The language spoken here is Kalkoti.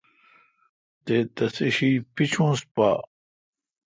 تے تسے°شی پیچونس پا۔